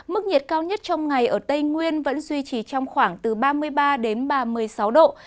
mức nhiệt cao nhất trong ngày ở tây nguyên vẫn duy trì trong khoảng từ ba mươi ba đến ba mươi sáu độ